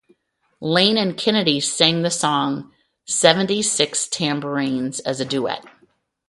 Lane and Kennedy sang the song "Seventy-Six Trombones" as a duet.